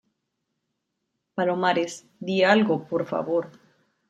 palomares, di algo, por favor.